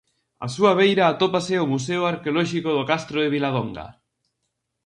Á súa beira atópase o Museo Arqueolóxico do Castro de Viladonga.